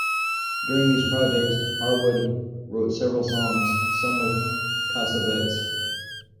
During these projects, Harwood wrote several songs, some with Cassavetes.